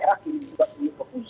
tadi urusan birokrasi yang panjang ini